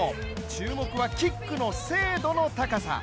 注目はキックの精度の高さ。